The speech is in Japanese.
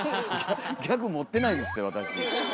ギャグ持ってないですけど私。